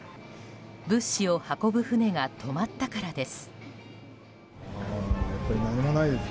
物資を運ぶ船が止まったからです。